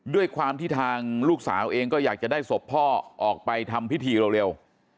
ด้วยความที่ทางลูกสาวเองก็อยากจะได้ศพพ่อออกไปทำพิธีเร็ว